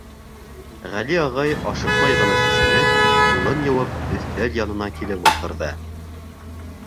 Ғәли ағай, ашыҡмай ғына сисенеп, ҡулын йыуып, өҫтәл янына килеп ултырҙы.